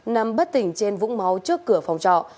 nằm bất tỉnh trên vũng máu trước cửa phòng trọ